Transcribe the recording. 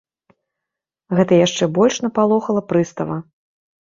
Гэта яшчэ больш напалохала прыстава.